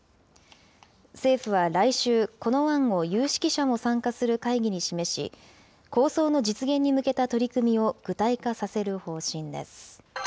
政府は来週、この案を有識者も参加する会議に示し、構想の実現に向けた取り組みを具体化させる方針です。